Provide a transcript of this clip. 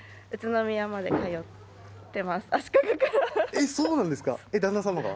えっそうなんですか旦那様が？